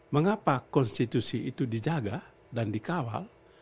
mengapa konstitusi itu dijaga dan dikawal